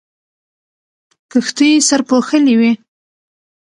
کښتۍ سرپوښلې وې.